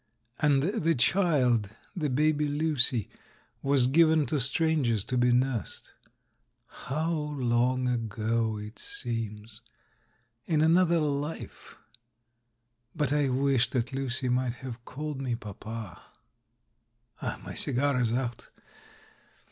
And the child — the baby Lucy — was given to strangers to be nursed. How long ago it seems — in another life. But I wish that Lucy might have called me "Papal" ... My cigar is out.